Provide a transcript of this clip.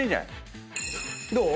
どう？